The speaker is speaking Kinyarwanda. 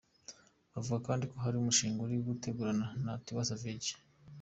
Avuga kandi ko hari umushinga ari gutegurana na Tiwa Savage.